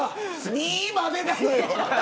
２までなのよ。